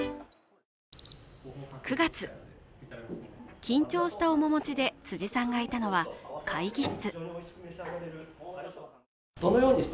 ９月、緊張した面持ちで辻さんがいたのは会議室。